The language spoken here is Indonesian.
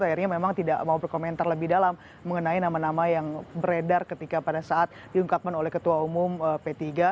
akhirnya memang tidak mau berkomentar lebih dalam mengenai nama nama yang beredar ketika pada saat diungkapkan oleh ketua umum p tiga